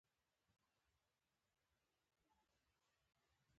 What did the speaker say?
یو موږک د زمري رسۍ غوڅې کړې.